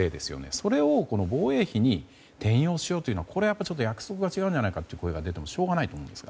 それを防衛費に転用するのはやっぱり、約束が違うんじゃないかという声が出てもしょうがないと思いますが。